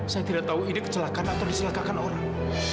saya tidak tahu ini kecelakaan atau disilakakan orang